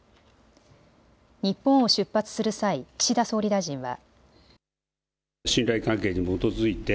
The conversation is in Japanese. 日本を出発する際、岸田総理大臣は。